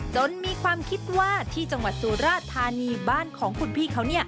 จนมีความคิดว่าที่จังหวัดสุราธานีบ้านของคุณพี่เขา